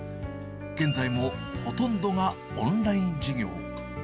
現在もほとんどがオンライン授業。